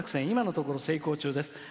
今のところ成功中です。